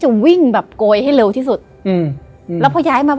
และยินดีต้อนรับทุกท่านเข้าสู่เดือนพฤษภาคมครับ